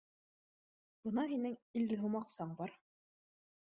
Бына һинең илле һум аҡсаң бар